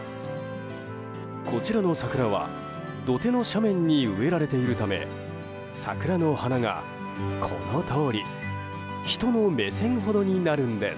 こちらの桜は、土手の斜面に植えられているため桜の花がこのとおり人の目線ほどになるんです。